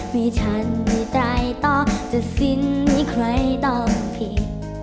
ไม่ทันที่ตายต่อจัดสินให้ใครต้องผิด